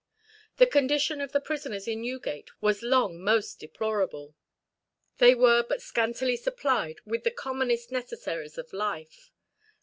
The condition of the prisoners in Newgate was long most deplorable. They were but scantily supplied with the commonest necessaries of life.